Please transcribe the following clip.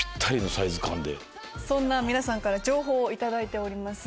そんな皆さんから情報を頂いております。